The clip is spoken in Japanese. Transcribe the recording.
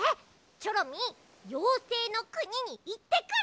チョロミーようせいのくににいってくる！